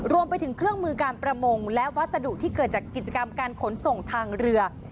รวมไปถึงเครื่องมือการประมงและวัสดุที่เกิดจากกิจกรรมการขนส่งทางเรือ